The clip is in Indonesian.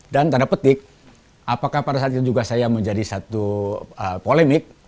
dan tanda petik apakah pada saat itu juga saya menjadi satu polemik